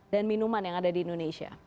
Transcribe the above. dan minuman yang ada di indonesia